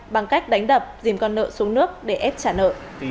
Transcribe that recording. bằng cách đánh đập dìm con nợ xuống nước để ép trả nợ